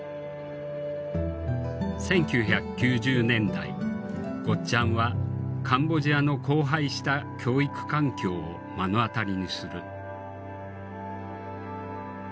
１９９０年代ゴッちゃんはカンボジアの荒廃した教育環境を目の当たりにする。